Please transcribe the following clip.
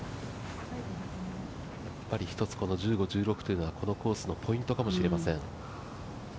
一つ１５、１６というのはこのコースのポイントかもしれません。